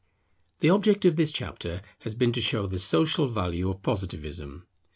The object of this chapter has been to show the social value of Positivism.